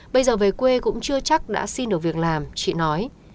bây giờ về quê cũng chưa chắc đã xin được việc làm chị nói